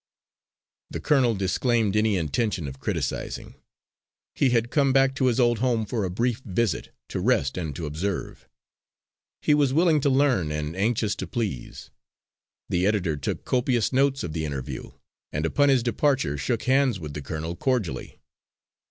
The colonel disclaimed any intention of criticising. He had come back to his old home for a brief visit, to rest and to observe. He was willing to learn and anxious to please. The editor took copious notes of the interview, and upon his departure shook hands with the colonel cordially.